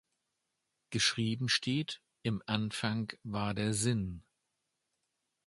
Geschrieben steht: Im Anfang war der Sinn.